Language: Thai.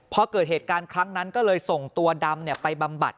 พอเกิดเหตุการณ์ครั้งนั้นก็เลยส่งตัวดำไปบำบัด